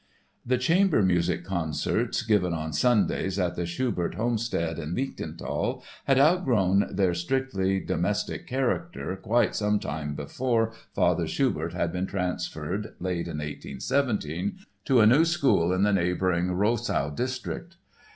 The chamber music concerts given on Sundays at the Schubert homestead in Lichtental had outgrown their strictly domestic character quite some time before Father Schubert had been transferred (late in 1817) to a new school in the neighboring Rossau district.